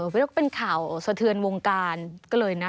ไม่ต้องเป็นข่าวสะเทือนวงการก็เลยนะ